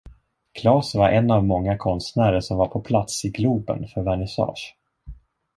Klas var en av många konstnärer som var på plats i Globen för vernissage.